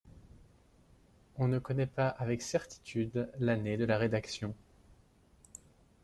On ne connaît pas avec certitude l'année de la rédaction.